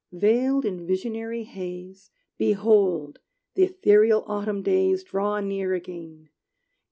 Veiled in visionary haze, Behold, the ethereal autumn days Draw near again!